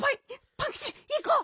パンキチいこう。